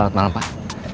selamat malam pak